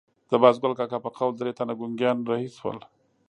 د بازګل کاکا په قول درې تنه ګونګیان رهي شول.